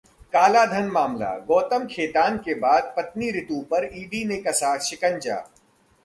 कालाधन मामला: गौतम खेतान के बाद पत्नी रितु पर ईडी ने कसा शिकंजा